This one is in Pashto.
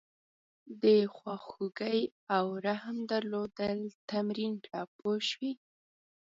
د خواخوږۍ او رحم درلودل تمرین کړه پوه شوې!.